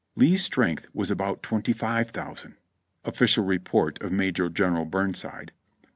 Lee's strength was about seventy five thousand. (OfTlicial Report of Major General Burn side.)